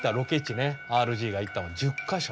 ＲＧが行ったのは１０か所。